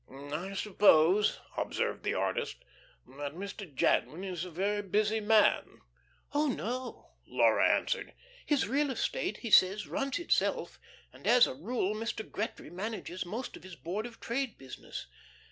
"I suppose," observed the artist, "that Mr. Jadwin is a very busy man." "Oh, no," Laura answered. "His real estate, he says, runs itself, and, as a rule, Mr. Gretry manages most of his Board of Trade business.